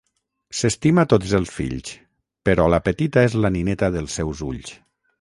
S'estima tots els fills, però la petita és la nineta dels seus ulls.